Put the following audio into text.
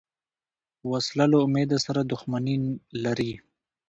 وسله له امید سره دښمني لري